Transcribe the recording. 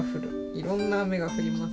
いろんな雨が降ります」。